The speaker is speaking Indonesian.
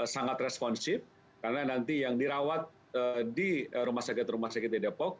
sangat responsif karena nanti yang dirawat di rumah sakit rumah sakit di depok